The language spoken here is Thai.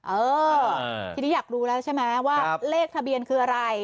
เออทีนี้อยากรู้แล้วใช่ไหมว่าเลขทะเบียนคืออะไร